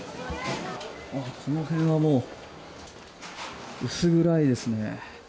この辺はもう、薄暗いですね。